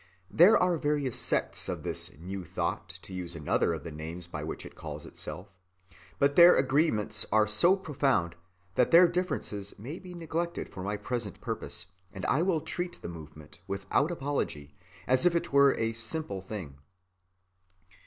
There are various sects of this "New Thought," to use another of the names by which it calls itself; but their agreements are so profound that their differences may be neglected for my present purpose, and I will treat the movement, without apology, as if it were a simple thing.